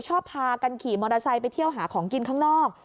พากันขี่มอเตอร์ไซค์ไปเที่ยวหาของกินข้างนอก